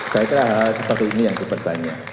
saya kira hal seperti ini yang dipertanya